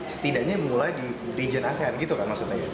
setidaknya mulai di region asean gitu kan maksudnya